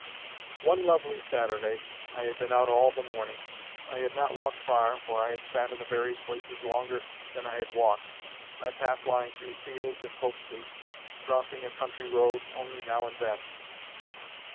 One lovely Saturday, I had been out all the morning. I had not walked far, for I had sat in the various places longer than I had walked, my path lying through fields and copses, crossing a country road only now and then.